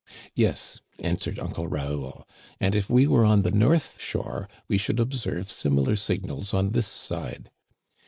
Yes," answered Uncle Raoul ;" and if we were on the north shore we should observe similar signals on this side.